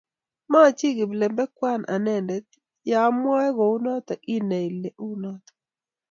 ma chi kiplembekian anende ya amwaa kou noto inai ile uu noto